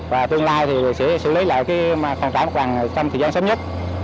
và tương lai thì sẽ xử lý lại cái khoảng trải mất hoàng trong thời gian sớm nhất